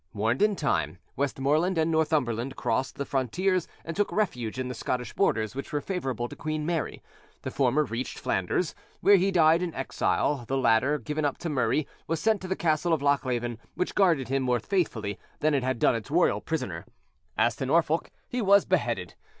Warned in time, Westmoreland and Northumberland crossed the frontiers and took refuge in the Scottish borders which were favourable to Queen Mary. The former reached Flanders, where he died in exile; the latter, given up to Murray, was sent to the castle of Lochleven, which guarded him more faithfully than it had done its royal prisoner. As to Norfolk, he was beheaded.